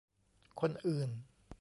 คนอื่น